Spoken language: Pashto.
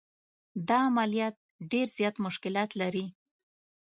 دا عملیات ډېر زیات مشکلات لري.